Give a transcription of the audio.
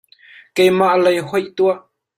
Keimah lei hoih tuah.